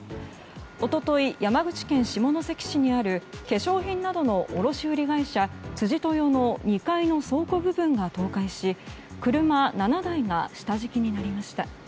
一昨日、山口県下関市にある化粧品などの卸売会社、辻豊の２階の倉庫部分が倒壊し車７台が下敷きになりました。